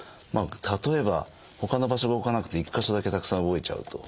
例えばほかの場所が動かなくて１か所だけたくさん動いちゃうと。